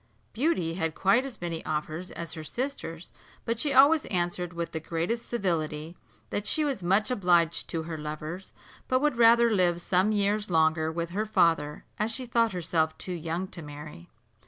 Beauty had quite as many offers as her sisters, but she always answered with the greatest civility, that she was much obliged to her lovers, but would rather live some years longer with her father, as she thought herself too young to marry.